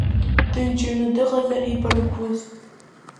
Ҭынч аҩны дыҟазар ибаргәыз!